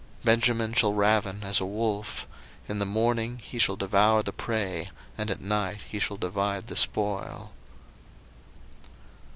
01:049:027 Benjamin shall ravin as a wolf: in the morning he shall devour the prey, and at night he shall divide the spoil.